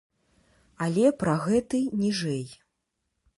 Але пра гэты ніжэй.